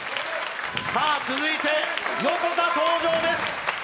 続いて、横田、登場です。